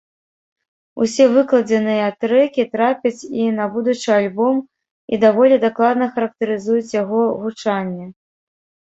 Усе выкладзеныя трэкі трапяць і на будучы альбом і даволі дакладна характарызуюць яго гучанне.